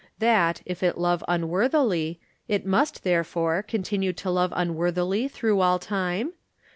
that, if it love unworthily, it must, therefore, continue to love unworthily through all time?